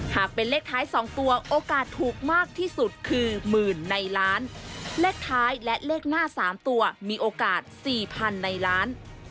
หากเป็นเลขท้าย๒ตัวโอกาสถูกมากที่สุดคือหมื่นในล้านเลขท้ายและเลขหน้า๓ตัวมีโอกาส๔๐๐๐ในล้าน